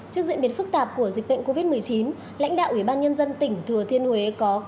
trước diễn biến phức tạp của dịch bệnh covid một mươi chín lãnh đạo ủy ban nhân dân tỉnh thừa thiên huế có